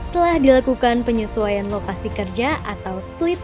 telah dilakukan penyesuaian lokasi kerja atau split